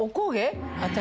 私